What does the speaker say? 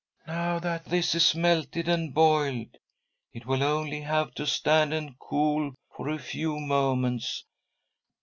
" Now that this is melted and boiled, it will only have to stand and cool for a few moments."